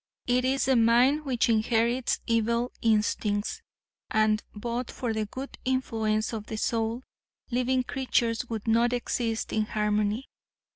It is the mind which inherits evil instincts and but for the good influence of the soul, living creatures would not exist in harmony.